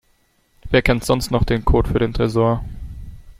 Wer kennt sonst noch den Code für den Tresor?